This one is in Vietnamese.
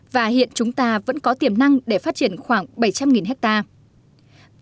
và hiện chúng ta vẫn có tiềm năng để phát triển khoảng bảy trăm linh hectare